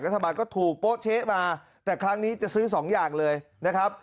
รัฐบาลก็ถูกโป๊เช๊มาแต่ครั้งนี้จะซื้อสองอย่างเลยนะครับ